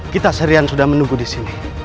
kita seharian sudah menunggu di sini